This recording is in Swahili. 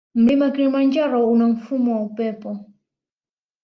Mlima kilimanjaro una mfumo wa upepo